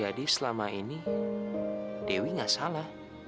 jadi selama ini dewi gak salah